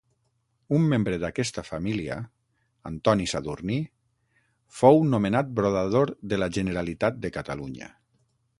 Un membre d'aquesta família, Antoni Sadurní, fou nomenat brodador de la Generalitat de Catalunya.